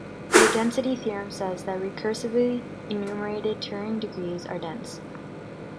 Their density theorem says that recursively enumerated Turing degrees are dense.